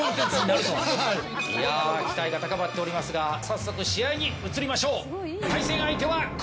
期待が高まっておりますが早速試合に移りましょう。